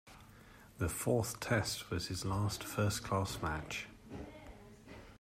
The Fourth Test was his last first-class match.